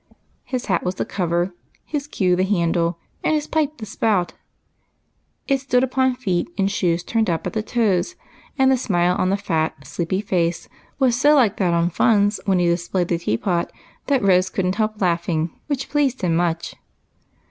His hat was the cover, his queue the handle, and his pipe the nose. It stood upon feet in shoes turned up at the toes, and the smile on the fat, sleepy face was so like that on Fun's when he displayed the teapot, that Rose could n't help laughing, which pleased him much.